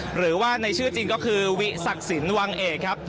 หรือว่าในชื่อจริงก็คือวิศักดิ์สินวังเอกครับ